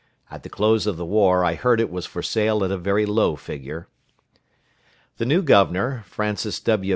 At the close of the war, I heard it was for sale at a very low figure. The new Governor, Francis W.